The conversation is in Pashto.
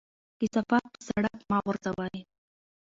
کثافات په سړک مه غورځوئ.